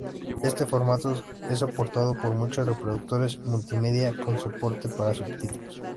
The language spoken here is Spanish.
Este formato es soportado por muchos reproductores multimedia con soporte para subtítulos.